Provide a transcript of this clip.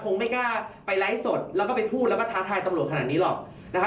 ไม่กล้าไปไลฟ์สดแล้วก็ไปพูดแล้วก็ท้าทายตำรวจขนาดนี้หรอกนะครับ